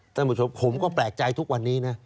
ท่านผู้ชมผมก็แปลกใจทุกวันนี้นะ